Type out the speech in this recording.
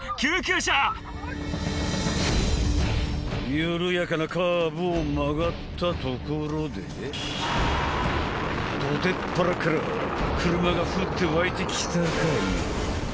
緩やかなカーブを曲がったところで土手っぱらから車が降って湧いてきたかよ